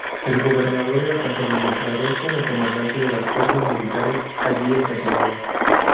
El gobernador era tanto administrador como comandante de las fuerzas militares allí estacionadas.